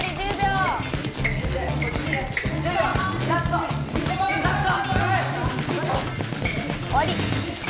はい！